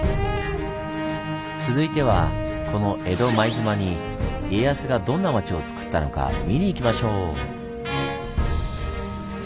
続いてはこの江戸前島に家康がどんな町をつくったのか見に行きましょう！